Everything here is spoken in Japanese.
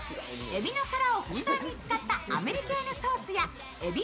えびの殻をふんだんに使ったアメリケーヌソースやえぴ